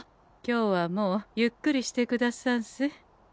今日はもうゆっくりしてくださんせ。